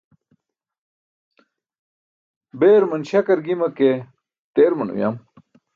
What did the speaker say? Beeruman śakar gima ke teeruman uyam.